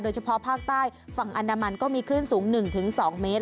เฉพาะภาคใต้ฝั่งอนามันก็มีคลื่นสูง๑๒เมตร